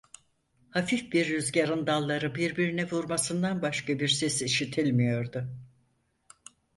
Hafif bir rüzgârın dalları birbirine vurmasından başka bir ses işitilmiyordu.